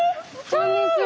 こんにちは。